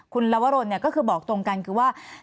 คุณลวรนก็คือบอกตรงกันคือว่า